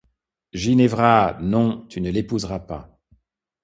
Ginevra! non, tu ne l’épouseras pas.